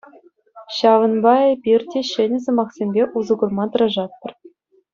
Ҫаванпа эпир те ҫӗнӗ сӑмахсемпе усӑ курма тӑрашатпӑр.